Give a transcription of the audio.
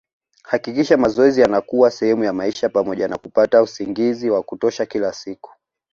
Hakikisha mazoezi yanakuwa sehemu ya maisha pamoja na kupata usingizi wa kutosha kila siku